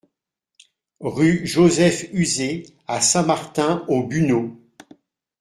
Rue Joseph Heuzé à Saint-Martin-aux-Buneaux